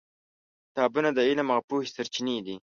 کتابونه د علم او پوهې سرچینې دي.